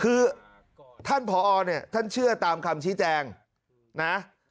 คือท่านผอเนี่ยท่านเชื่อตามคำชี้แจงนะ